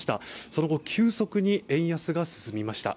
その後、急速に円安が進みました。